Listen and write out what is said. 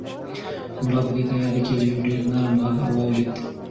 ملا په دې تیاره کې یو ډېر نرم غږ واورېد.